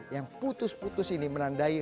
yang putus putus ini menandai